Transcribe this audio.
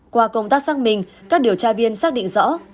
qua công tác xác minh các điều tra viên xác định rõ